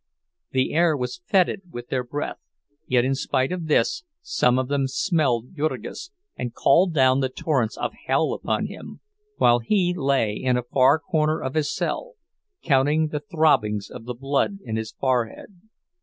The air was fetid with their breath, yet in spite of this some of them smelled Jurgis and called down the torments of hell upon him, while he lay in a far corner of his cell, counting the throbbings of the blood in his forehead.